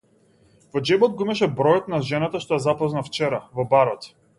Во џебот го имаше бројот на жената што ја запозна вчера, во барот.